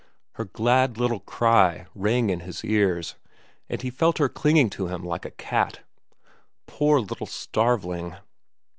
Her glad little cry rang in his ears, and he felt her clinging to him like a cat. Poor little starveling!